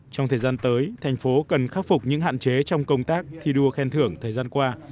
trong thời gian tới thành phố cần khắc phục những hạn chế trong công tác thi đua khen thưởng thời gian qua